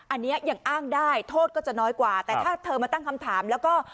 อันนี้ยังอ้างได้โทษก็จะน้อยกว่าแต่ถ้าเธอมาตั้งคำถามแล้วก็